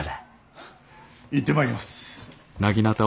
行ってまいります。